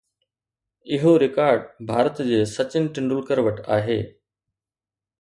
اهو رڪارڊ ڀارت جي سچن ٽنڊولڪر وٽ آهي